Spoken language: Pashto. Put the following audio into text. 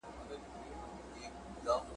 لاس مي شل ستونی مي وچ دی له ناکامه ګیله من یم ..